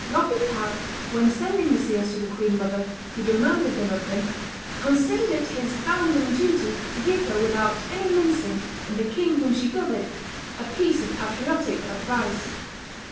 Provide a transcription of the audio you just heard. L'Hospital, when sending the seals to the queen mother, who demanded them of him, considered it his bounden duty to give her without any mincing, and the king whom she governed, a piece of patriotic advice.